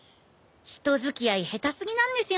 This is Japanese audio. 人付き合い下手すぎなんですよね